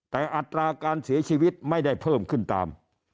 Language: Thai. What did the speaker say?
แต่อัตราการเสียชีวิตไม่ได้เพิ่มขึ้นตาม